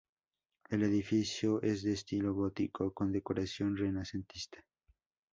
El edificio es de estilo gótico con decoración renacentista.